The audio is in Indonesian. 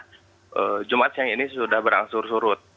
nah jumat yang ini sudah berangsur surut